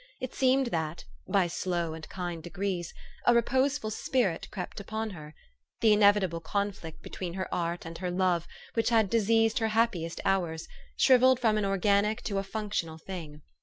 It seemed that, by slow and kind degrees, a reposeful spirit crept upon her. The inevitable conflict between her art and her love, which had diseased her happiest hours, shrivelled from an organic to a functional thing.